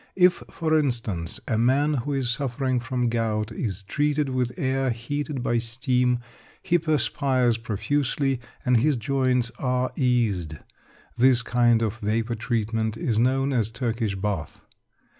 If, for instance, a man who is suffering from gout is treated with air heated by steam, he perspires profusely, and his joints are eased. This kind of vapour treatment is known as "Turkish Bath."